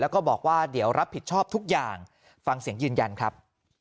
แล้วก็บอกว่าเดี๋ยวรับผิดชอบทุกอย่างฟังเสียงยืนยันครับ